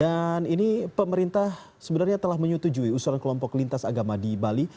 dan ini pemerintah sebenarnya telah menyetujui usulan kelompok lintas agama di bali